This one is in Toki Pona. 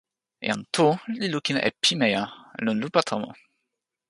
jan Tu li lukin e pimeja lon lupa tomo.